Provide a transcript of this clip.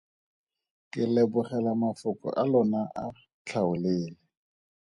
Ke lebogela mafoko a lona a tlhaolele.